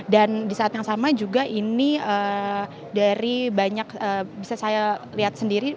dan disaat yang sama juga ini dari banyak bisa saya lihat sendiri